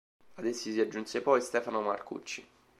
Ad essi si aggiunse poi Stefano Marcucci.